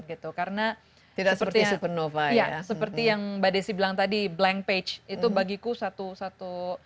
gitu karena tidak seperti supernova ya seperti yang mbak desi bilang tadi blank page itu bagiku satu satu